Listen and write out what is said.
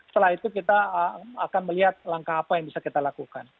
setelah itu kita akan melihat langkah apa yang bisa kita lakukan